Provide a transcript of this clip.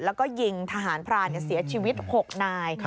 แล้วก็ยิงทหารพรานเสียชีวิต๖นาย